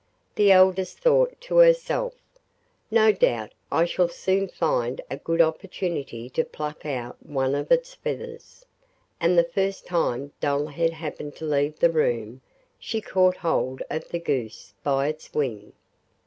The eldest thought to herself: 'No doubt I shall soon find a good opportunity to pluck out one of its feathers,' and the first time Dullhead happened to leave the room she caught hold of the goose by its wing.